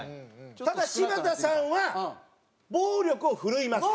ただ柴田さんは暴力を振るいます。